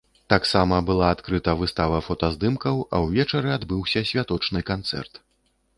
Таксама была адкрыта выстава фотаздымкаў, а ўвечары адбыўся святочны канцэрт.